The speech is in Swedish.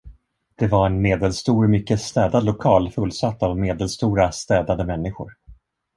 Det var en medelstor, mycket städad lokal, fullsatt av medelstora, städade människor.